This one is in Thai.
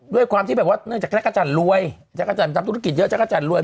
ด้วยความที่แบบว่าเนื่องจากจักรจันทร์รวยจักรจันทร์ทำธุรกิจเยอะจักรจันทร์รวย